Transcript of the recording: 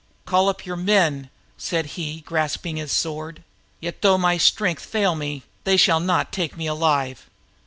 "Call up your men," he growled, grasping his sword. "Though my strength fail me, yet they shall not take me alive.